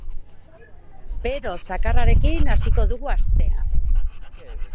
Bero zakarrarekin hasiko dugu astea.